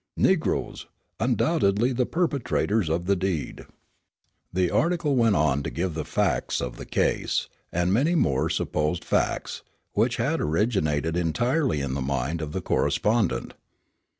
NEGROES! UNDOUBTEDLY THE PERPETRATORS OF THE DEED! The article went on to give the facts of the case, and many more supposed facts, which had originated entirely in the mind of the correspondent.